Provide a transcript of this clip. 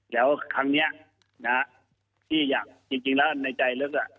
แล้วครั้งนี้ที่อยากจริงแล้วในใจลึก